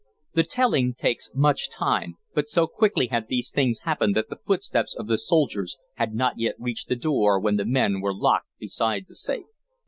The telling takes much time, but so quickly had these things happened that the footsteps of the soldiers had not yet reached the door when the men were locked beside the safe.